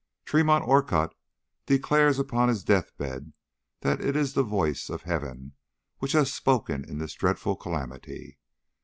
Tremont Orcutt declares upon his death bed that it is the voice of Heaven which has spoken in this dreadful calamity.